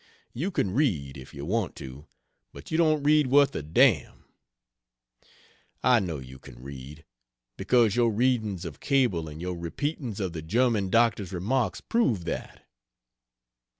You can read, if you want to, but you don't read worth a damn. I know you can read, because your readings of Cable and your repeatings of the German doctor's remarks prove that.